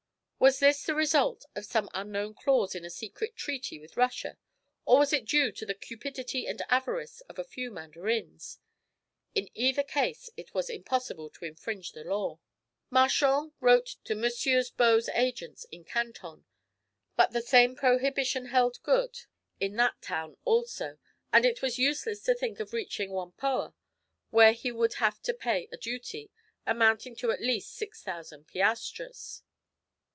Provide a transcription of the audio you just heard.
Was this the result of some unknown clause in a secret treaty with Russia, or was it due to the cupidity and avarice of a few mandarins? In either case it was impossible to infringe the law. Marchand wrote to MM. Baux's agents in Canton; but the same prohibition held good in that town also, and it was useless to think of reaching Whampoa, where he would have had to pay duty, amounting to at least six thousand piastres.